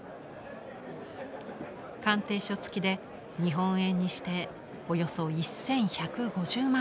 鑑定書つきで日本円にしておよそ１，１５０万円。